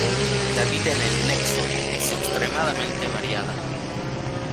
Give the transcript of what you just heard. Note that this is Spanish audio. La vida en el Nexo es extremadamente variada.